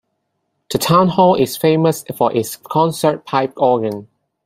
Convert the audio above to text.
The town hall is famous for its concert pipe organ.